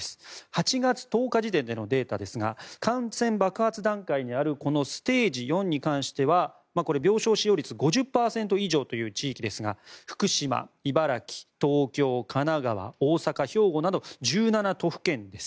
８月１０日時点でのデータですが感染爆発段階にあるこのステージ４に関しては病床使用率５０％以上という地域ですが福島、茨城、東京、神奈川大阪、兵庫など１７都府県です。